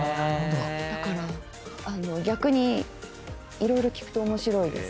だから逆に色々聞くと面白いです。